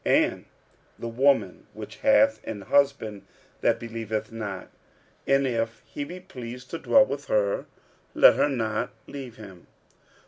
46:007:013 And the woman which hath an husband that believeth not, and if he be pleased to dwell with her, let her not leave him.